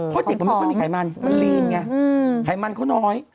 เพราะเด็กมันไม่ค่อยมีไขมันมันลีนไงไขมันเขาน้อย